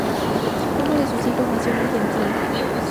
Uno de sus hijos nació en Argentina.